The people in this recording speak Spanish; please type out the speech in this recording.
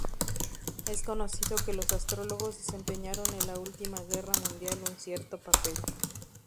Es conocido que los astrólogos desempeñaron en la última guerra mundial un cierto papel.